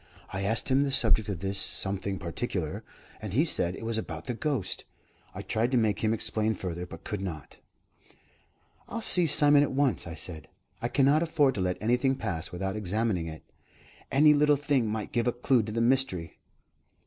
I asked him the subject of this 'something particular,' and he said it was about the ghost. I tried to make him explain further, but could not." "I'll see Simon at once," I said. "I cannot afford to let anything pass without examining it. Any little thing might give a clue to the mystery."